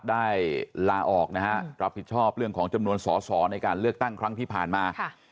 ลาออกนะฮะรับผิดชอบเรื่องของจำนวนสอสอในการเลือกตั้งครั้งที่ผ่านมา